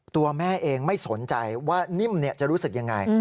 ตัวแม่เองไม่สนใจว่านิ่มจะรู้สึกยังไง